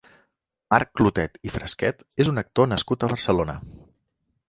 Marc Clotet i Fresquet és un actor nascut a Barcelona.